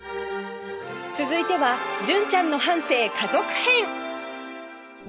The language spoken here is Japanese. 続いては純ちゃんの半生家族編